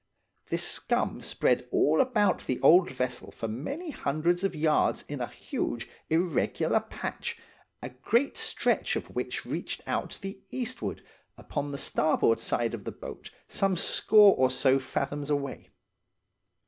This scum spread all about the old vessel for many hundreds of yards in a huge, irregular patch, a great stretch of which reached out to the eastward, upon the starboard side of the boat some score or so fathoms away.